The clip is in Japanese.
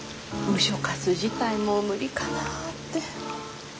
ムショ活自体もう無理かなって。